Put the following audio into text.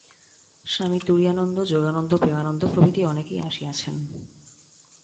স্বামী তুরীয়ানন্দ, যোগানন্দ, প্রেমানন্দ প্রভৃতি অনেকেই আসিয়াছেন।